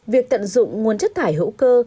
việc tận dụng nguồn chất thải hữu cơ